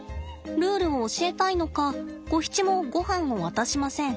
ルールを教えたいのかゴヒチもごはんを渡しません。